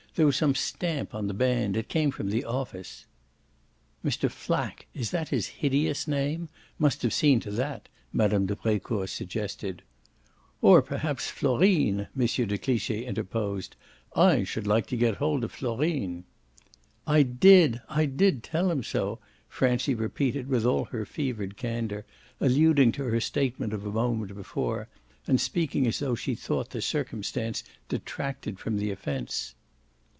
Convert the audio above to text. "There was some stamp on the band it came from the office." "Mr. Flack is that his hideous name? must have seen to that," Mme. de Brecourt suggested. "Or perhaps Florine," M. de Cliche interposed. "I should like to get hold of Florine!" "I DID I did tell him so!" Francie repeated with all her fevered candour, alluding to her statement of a moment before and speaking as if she thought the circumstance detracted from the offence.